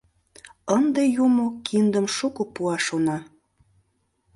Ынде юмо киндым шуко пуа, шона.